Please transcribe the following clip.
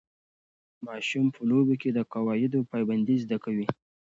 ماشومان په لوبو کې د قواعدو پابندۍ زده کوي.